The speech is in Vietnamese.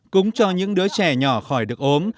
cúng cho những đứa trẻ nhỏ khỏi được ốm